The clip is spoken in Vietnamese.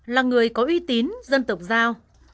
là người có uy tín dân tộc giao